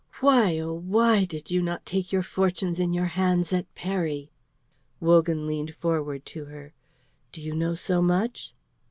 "Why, oh, why did you not take your fortunes in your hands at Peri?" Wogan leaned forward to her. "Do you know so much?"